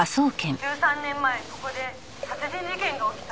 「１３年前ここで殺人事件が起きた」